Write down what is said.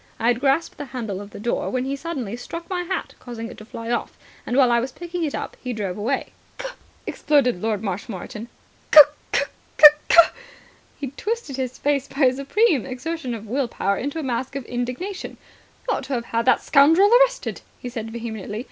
I had grasped the handle of the door, when he suddenly struck my hat, causing it to fly off. And, while I was picking it up, he drove away." "C'k," exploded Lord Marshmoreton. "C'k, c'k, c'k." He twisted his face by a supreme exertion of will power into a mask of indignation. "You ought to have had the scoundrel arrested," he said vehemently.